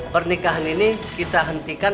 pernikahan ini kita hentikan